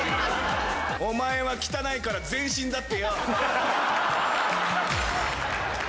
お前は汚いから全身だってよ。